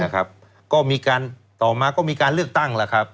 ก็มีการต่อมาก็มีการเลือกตั้งแล้วครับ